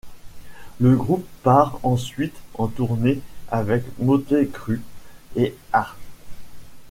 Le groupe part ensuite en tournée avec Mötley Crüe et Heart.